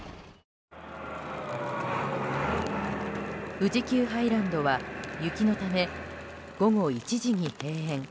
富士急ハイランドは雪のため午後１時に閉園。